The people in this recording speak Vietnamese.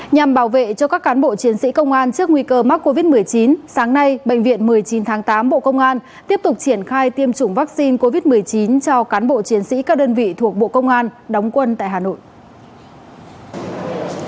nhằm bảo vệ cho các cán bộ chiến sĩ công an trước nguy cơ mắc covid một mươi chín sáng nay bệnh viện một mươi chín tháng tám bộ công an tiếp tục triển khai tiêm chủng vaccine covid một mươi chín cho cán bộ chiến sĩ các đơn vị thuộc bộ công an đóng quân tại hà nội